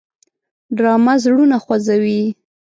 ډرامه زړونه خوځوي